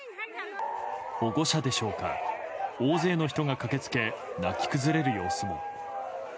保護者でしょうか大勢の人が駆け付け泣き崩れる様子も。